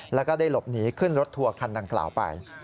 แล้วก็ได้หลบหนีขึ้นรถทัวร์คันดังกล่าวไป